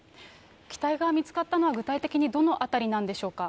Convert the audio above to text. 機体が見つかったのは、具体的にどの辺りなんでしょうか。